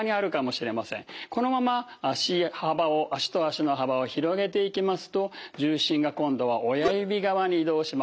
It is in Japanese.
このまま足幅を足と足の幅を広げていきますと重心が今度は親指側に移動します。